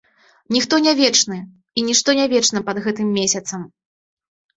Ніхто не вечны і нішто не вечна пад гэтым месяцам.